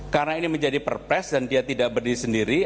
karena ini menjadi perpres dan dia tidak berdiri sendiri